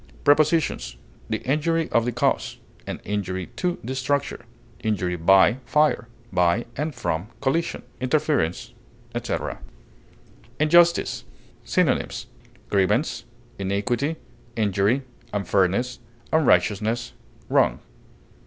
Prepositions: The injury of the cause; an injury to the structure; injury by fire; by or from collision, interference, etc. INJUSTICE. Synonyms: grievance, injury, unfairness, unrighteousness, wrong.